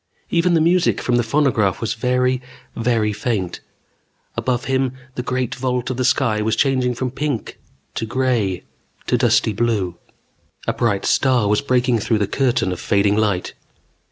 Even the music from the phonograph was very, very faint. Above him, the great vault of the sky was changing from pink to gray to dusty blue. A bright star was breaking through the curtain of fading light.